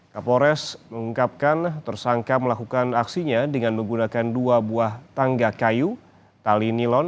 kapolres mengungkapkan tersangka melakukan aksinya dengan menggunakan dua buah tangga kayu tali nilon